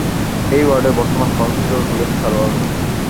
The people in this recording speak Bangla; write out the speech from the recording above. এ ওয়ার্ডের বর্তমান কাউন্সিলর হলেন সারোয়ার হাসান।